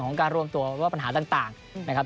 การรวมตัวว่าปัญหาต่างนะครับ